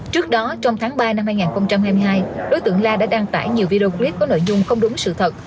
trước đó trong tháng ba năm hai nghìn hai mươi hai đối tượng la đã đăng tải nhiều video clip có nội dung không đúng sự thật